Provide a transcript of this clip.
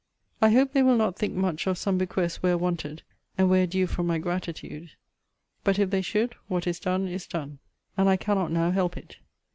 I hope they will not think much of some bequests where wanted, and where due from my gratitude: but if they should, what is done, is done; and I cannot now help it.